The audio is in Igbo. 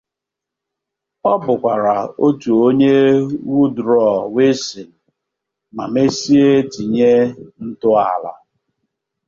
Ọ bụkwara otu onye Woodrow Wilson ma mesịa tinye ntọala.